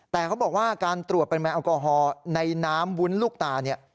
แต่เขาบอกว่าการตรวจปริมาณแอลกอฮอล์ในน้ำวุ้นลูกตาเนี่ย